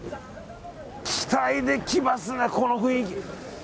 期待できますね、この雰囲気。